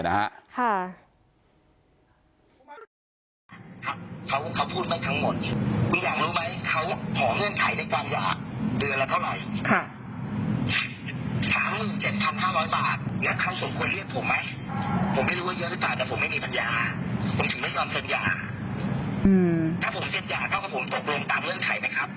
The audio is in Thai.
ถ้าผมสิทธิ์ยาถ้าผมตกลุ่มตามเรื่องไข่ไหมครับ